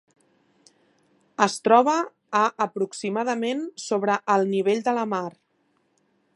Es troba a aproximadament sobre el nivell de la mar.